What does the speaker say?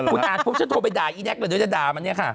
คุณอาร์ตพบชนโทรไปด่ายอีนักหรือเดี๋ยวจะด่ามันเนี่ยค่ะ